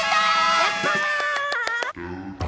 やった！